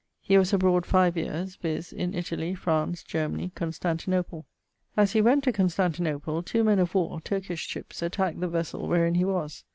He was abroad 5 yeares, viz. in Italie, France, Germany, Constantinople. As he went to Constantinople, two men of warre (Turkish shippes) attacqued the vessell wherin he was.